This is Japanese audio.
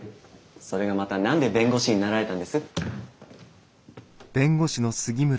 それがまた何で弁護士になられたんです？